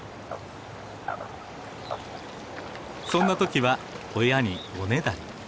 そんな時は親におねだり。